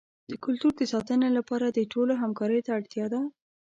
د کلتور د ساتنې لپاره د ټولو همکارۍ ته اړتیا ده.